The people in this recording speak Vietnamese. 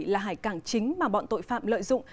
là đảng chính mà bọn tội phạm lợi dụng